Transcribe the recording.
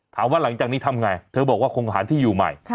หลังจากนี้ทำไงเธอบอกว่าคงหาที่อยู่ใหม่